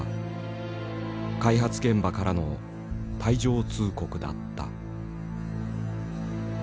開発現場からの退場通告だった。